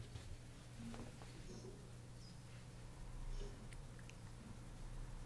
na elfu mbili kumi na moja , na kupunguza pengo kutoka asilimia sabini na tano